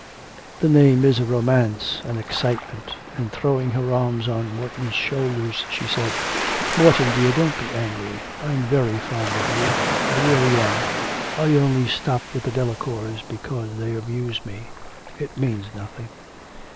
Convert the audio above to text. The name is a romance, an excitement, and, throwing her arms on Morton's shoulders, she said: 'Morton, dear, don't be angry. I'm very fond of you, I really am.... I only stop with the Delacours because they amuse me.... It means nothing.'